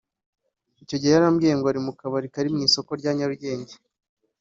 icyo gihe yarambwiye ngo ari mu kabari kari mu isoko rya Nyarugenge